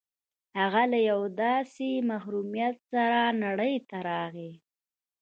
هغه له یوه داسې محرومیت سره نړۍ ته راغی